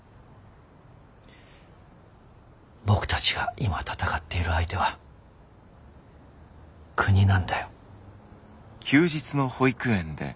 僕たちが今闘っている相手は「国」なんだよ。